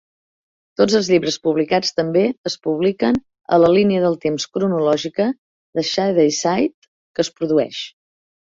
Tots els llibres publicats també es publiquen a la línia de temps cronològica de Shadyside que es produeix.